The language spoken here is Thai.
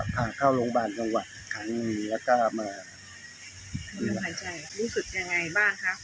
พาเข้าโรงพยาบาลจังหวัดขังแล้วก็มารู้สึกยังไงบ้างครับ